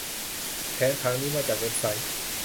แผนผังนี้มาจากเว็บไซต์